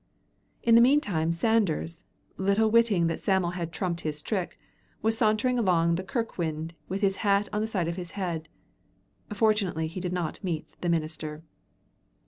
In the meantime, Sanders, little witting that Sam'l had trumped his trick, was sauntering along the kirk wynd with his hat on the side of his head. Fortunately he did not meet the minister.